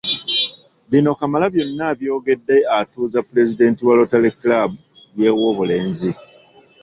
Bino Kamalabyonna abyogedde atuuza Pulezidenti wa Rotary Club y’e Woobulenzi.